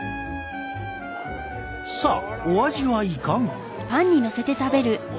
さあお味はいかが？